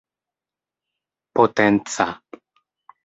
potenca